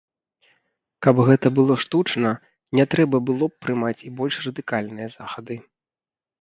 Каб гэта было штучна, не трэба было б прымаць і больш радыкальныя захады.